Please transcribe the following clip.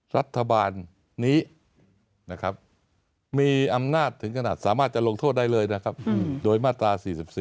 รัฐบาลนี้นะครับมีอำนาจถึงขนาดสามารถจะลงโทษได้เลยนะครับโดยมาตรา๔๔